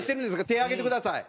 手挙げてください。